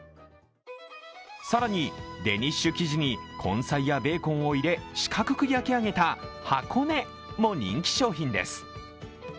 更に、デニッシュ生地に根菜やベーコンを入れ四角く焼き上げた箱ねも人気商品です。